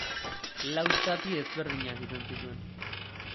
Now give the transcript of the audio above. Lau zati ezberdinak izan zituen.